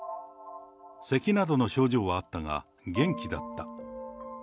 せきなどの症状はあったが、元気だった。